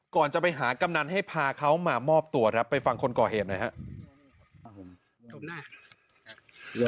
ก่อนจะไปหากำนันให้พาเขามามอบตัวครับไปฟังคนก่อเหตุหน่อยครับ